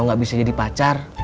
kalau gak bisa jadi pacar